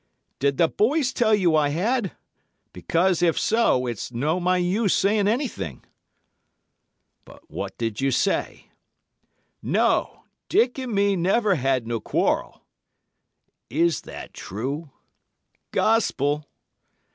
"'Did the boys tell you I had? Because if so, it's no use my saying anything.' "'But what do you say?' "'No! Dick and me never had no quarrel.' "'Is that true?' "'Gospel.